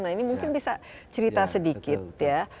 nah ini mungkin bisa cerita sedikit ya